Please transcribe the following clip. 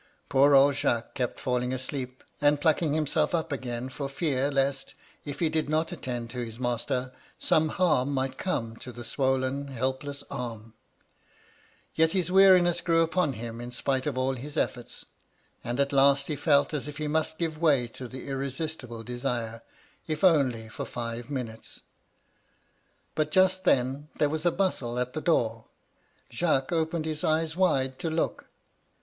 " Poor old Jacques kept falling adeep, and plucking himself up again for fear lest, if he did not attend to his master, some harm might come to the swollen, helpless arm. Yet his weariness grew upon him in spite of all his efibrts, and at last he felt as if he must give way to the irresistible desire, if only for five minutes. But just then there was a bustle at the door. Jacques opened his eyes wide to look.